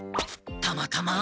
たまたま？